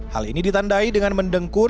hal ini ditandai dengan mendengkur